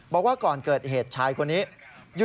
บอกว่าก่อนเกิดเหตุชายคนนี้